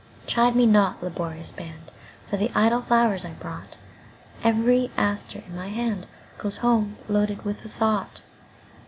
Chide me not, laborious band, For the idle flowers I brought; Every aster in my handGoes home loaded with a thought.